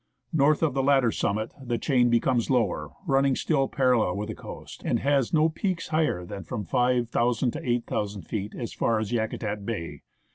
North of the latter summit the chain becomes lower, running still parallel with the coast, and has no peaks higher than from 5,000 to 8,000 feet as far as Yakutat Bay.